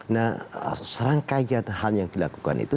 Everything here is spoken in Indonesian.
nah serangkaian hal yang dilakukan itu